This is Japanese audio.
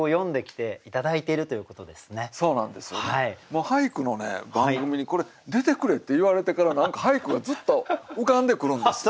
もう俳句の番組に出てくれって言われてから何か俳句がずっと浮かんでくるんですよ。